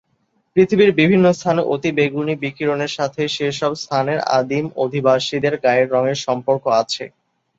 পৃথিবীর বিভিন্ন স্থানে অতিবেগুনী বিকিরণের সাথে সেসব স্থানের আদিম অধিবাসীদের গায়ের রঙের সম্পর্ক আছে।